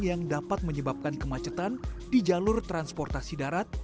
yang dapat menyebabkan kemacetan di jalur transportasi darat